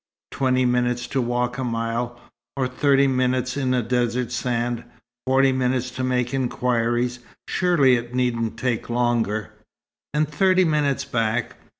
Twenty minutes to walk a mile or thirty minutes in desert sand; forty minutes to make inquiries; surely it needn't take longer! And thirty minutes back.